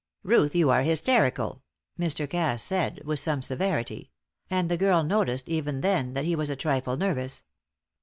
"Ruth, you are hysterical," Mr. Cass said, with some severity; and the girl noticed even then that he was a trifle nervous.